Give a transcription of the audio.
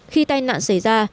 khi tai nạn xảy ra